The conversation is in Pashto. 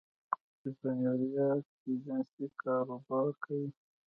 چې په نیویارک کې جنسي کاروبار کوي